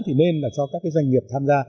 thì nên là cho các doanh nghiệp tham gia